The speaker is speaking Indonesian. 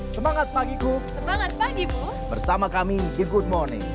semangat pagiku semangat pagimu bersama kami di good morning